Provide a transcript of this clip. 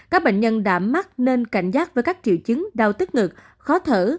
các bệnh nhân đã mắc nên cảnh giác với các triệu chứng đau tức ngực khó thở